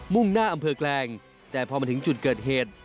่งหน้าอำเภอแกลงแต่พอมาถึงจุดเกิดเหตุ